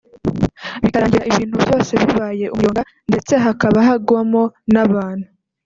bikarangira ibintu byose bibaye umuyonga ndetse hakaba hagwamo n’abantu